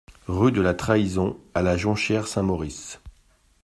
Rue de la Trahison à La Jonchère-Saint-Maurice